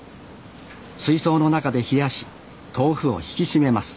水槽の中で冷やし豆腐を引き締めます